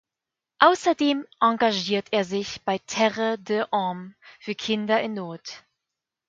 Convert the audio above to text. Außerdem engagiert er sich bei Terre des hommes für Kinder in Not.